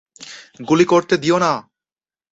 গুলি করতে দিও না।